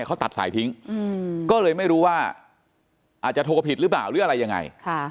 เขาตัดสายทิ้งก็เลยไม่รู้ว่าอาจจะโทรผิดหรือเปล่าหรืออะไรยังไง